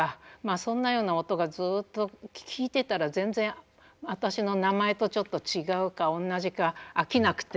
そんなような音がずっと聴いてたら全然私の名前とちょっと違うか同じか飽きなくて。